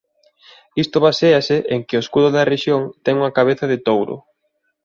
Isto baséase en que o escudo da rexión ten unha cabeza de touro.